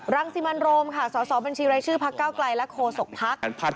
รังสิมันโรมสบรชพกและโฆษกภักดิ์